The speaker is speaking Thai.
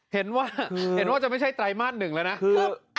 เห็นว่าจะไม่ใช่ไตรมาสหนึ่งแล้วนะ